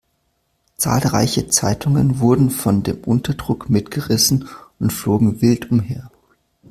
Zahlreiche Zeitungen wurden von dem Unterdruck mitgerissen und flogen wild umher.